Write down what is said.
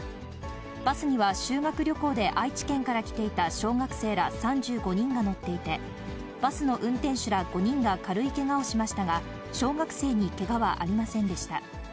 バスには修学旅行で愛知県から来ていた小学生ら３５人が乗っていて、バスの運転手ら５人が軽いけがをしましたが、小学生にけがはありませんでした。